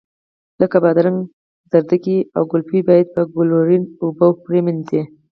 لکه بادرنګ، ګازرې او ګلپي باید په کلورین اوبو پرېمنځئ.